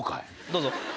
どうぞ。